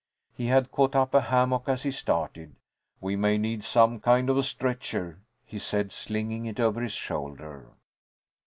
He had caught up a hammock as he started. "We may need some kind of a stretcher," he said, slinging it over his shoulder.